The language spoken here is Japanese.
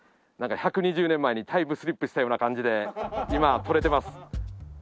なんか１２０年前にタイムスリップしたような感じで今撮れてます。